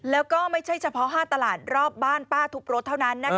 แล้วก็ไม่ใช่เฉพาะ๕ตลาดรอบบ้านป้าทุบรถเท่านั้น